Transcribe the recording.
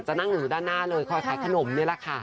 จะนั่งอยู่ด้านหน้าเลยคอยขายขนมนี่แหละค่ะ